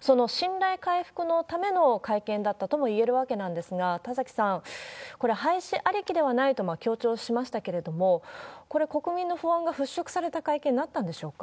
その信頼回復のための会見だったともいえるわけなんですが、田崎さん、これ、廃止ありきではないと強調しましたけれども、これ、国民の不安が払拭された会見になったんでしょうか？